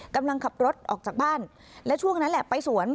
กำลังขับรถออกจากบ้านและช่วงนั้นแหละไปสวน